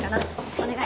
お願い。